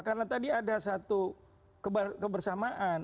karena tadi ada satu kebersamaan